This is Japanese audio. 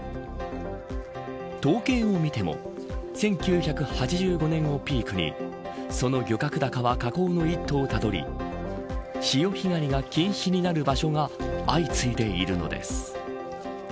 統計を見ても１９８５年をピークにその漁獲高は下降の一途をたどり潮干狩りが禁止になる場所が相次いでいるのです。